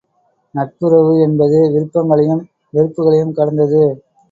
நட்புறவு என்பது விருப்பங்களையும் வெறுப்புகளையும் கடந்தது.